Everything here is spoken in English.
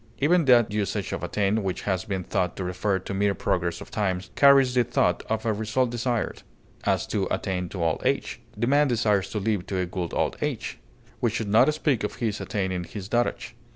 Even that usage of attain which has been thought to refer to mere progress of time carries the thought of a result desired; as, to attain to old age; the man desires to live to a good old age; we should not speak of his attaining his dotage.